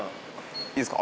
いいですか？